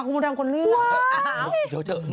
คุณมดดำคนเลือก